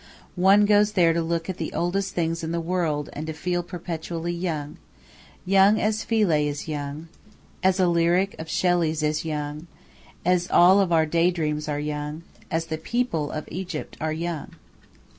One goes there to look at the oldest things in the world and to feel perpetually young young as Philae is young, as a lyric of Shelley's is young, as all of our day dreams are young, as the people of Egypt are young.